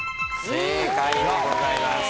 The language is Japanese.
正解でございます。